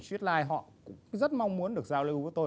streetlight họ cũng rất mong muốn được giao lưu với tôi